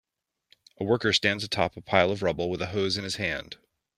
A worker stands atop a pile of rubble with a hose in his hand.